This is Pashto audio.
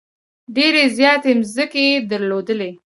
ډېرې زیاتې مځکې یې درلودلې.